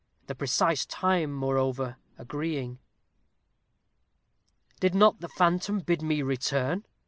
the precise time, moreover, agreeing. Did not the phantom bid me return?